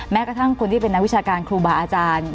แม้กระทั่งคนที่เป็นนักวิชาการครูบาอาจารย์